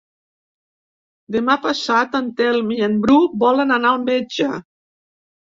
Demà passat en Telm i en Bru volen anar al metge.